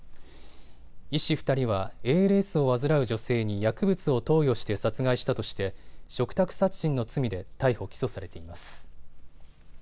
医師２人はＡＬＳを患う女性に薬物を投与して殺害したとして嘱託殺人の罪で逮捕起訴されています。